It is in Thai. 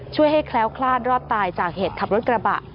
ช่วยให้แคล้วคลาดรอดตายจากเหตุขับรถกระบะ